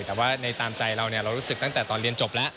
แต่ว่าในตามใจเราเรารู้สึกตั้งแต่ตอนเรียนจบแล้ว